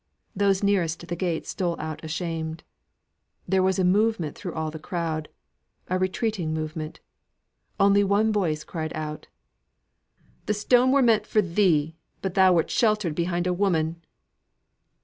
Those nearest the gate stole out ashamed; there was a movement through all the crowd a retreating movement. Only one voice called out: "Th' stone was meant for thee; but thou wert sheltered behind a woman!"